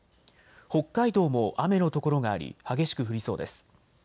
北海道も雨の所があり激しく降りそうです。